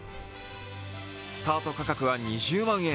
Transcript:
スタート価格は２０万円。